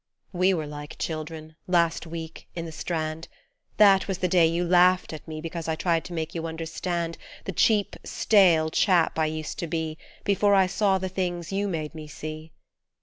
We were like children, last week, in the Strand ; That was the day you laughed at me Because I tried to make you understand The cheap, stale chap I used to be Before I saw the things you made me see.